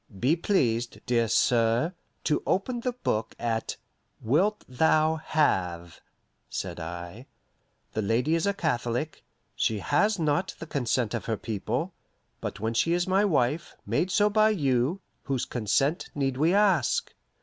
"Be pleased, dear sir, to open the book at 'Wilt thou have,'" said I. "The lady is a Catholic; she has not the consent of her people; but when she is my wife, made so by you, whose consent need we ask?